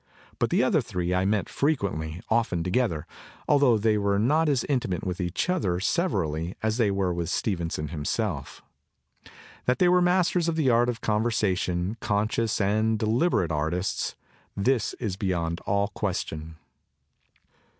But the other three I met frequently, often together, altho they were not as intimate with each other severally as they were with Stevenson himself. That they were masters of the art of conversation, conscious and deliberate artists, this is be yond all question.